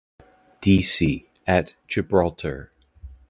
Deasy at Gibraltar.